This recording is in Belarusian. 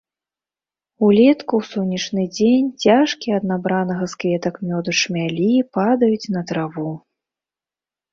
Улетку, у сонечны дзень, цяжкія ад набранага з кветак мёду чмялі падаюць на траву.